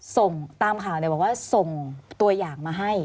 ส่งตามข่าวบอกว่าส่งตัวอย่างมาให้